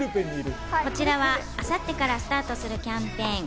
こちらは明後日からスタートするキャンペーン